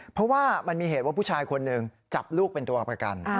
เพราะว่ามันมีเหตุว่าผู้ชายคนหนึ่งจับลูกเป็นตัวประกัน